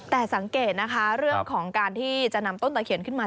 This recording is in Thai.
แต่สังเกตนะคะเรื่องของการที่จะนำต้นตะเคียนขึ้นมา